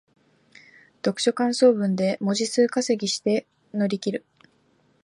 読書感想文で文字数稼ぎして乗り切る